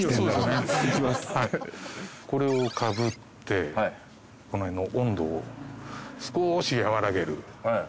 これをかぶってこの辺の温度を少し和らげる。